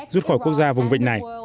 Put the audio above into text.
rút khỏi quốc gia vùng vịnh này